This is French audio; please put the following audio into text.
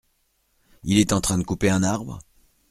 Il est en train de couper un arbre ?